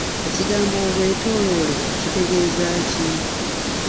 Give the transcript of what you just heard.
Ekigambo obwetooloole kitegeeza ki?